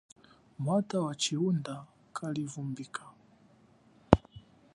Mwata wachihunda kalivumbika.